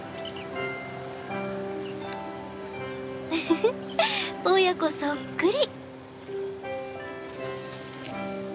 フフフ親子そっくり。